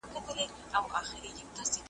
چي شعر له نثر څخه بېلوي ,